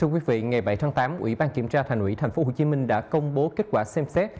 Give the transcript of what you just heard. ngày bảy tháng tám ủy ban kiểm tra thành ủy tp hcm đã công bố kết quả xem xét